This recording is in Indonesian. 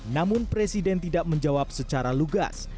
namun presiden tidak menjawab secara lugas